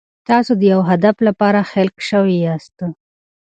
تاسو د یو هدف لپاره خلق شوي یاست.